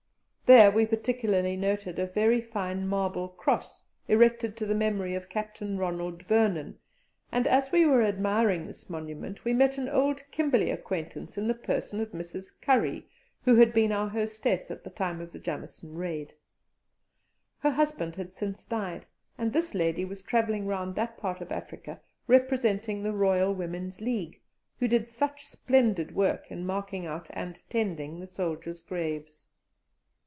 There we particularly noted a very fine marble cross, erected to the memory of Captain Ronald Vernon; and as we were admiring this monument we met an old Kimberley acquaintance in the person of Mrs. Currey, who had been our hostess at the time of the Jameson Raid. Her husband had since died, and this lady was travelling round that part of Africa representing the Loyal Women's League, who did such splendid work in marking out and tending the soldiers' graves.